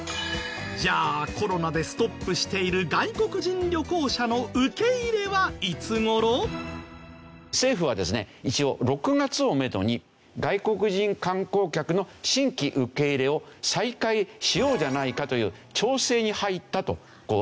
じゃあコロナでストップしている政府はですね一応６月をめどに外国人観光客の新規受け入れを再開しようじゃないかという調整に入ったというんですね。